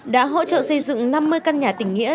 đã hỗ trợ xây dựng năm mươi căn nhà tỉnh nghĩa